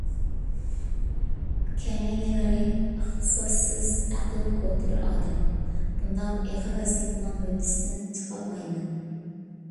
كەمىنىلىرى، ئىختىساسسىز، ئەقلىم كوتا بىر ئادەم، بۇنداق ئېغىر ۋەزىپىنىڭ ھۆددىسىدىن چىقالمايمەن.